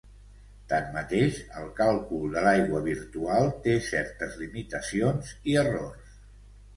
Tanmateix el càlcul de l'aigua virtual té certes limitacions i errors.